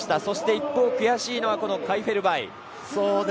そして一方、悔しいのはカイ・フェルバイ。